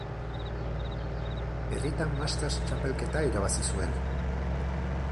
Birritan Masters Txapelketa irabazi zuen.